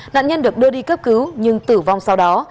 nạn nhân được đưa đi cấp cứu nhưng tử vong sau đó